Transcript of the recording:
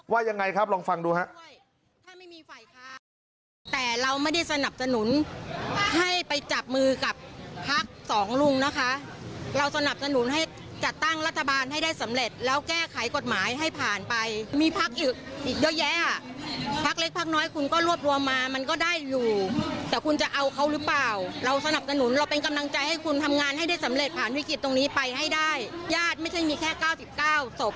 ยังไงครับลองฟังดูครับ